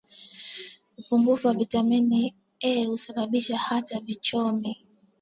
upungufu wa vitamini A husababisha hata vichomi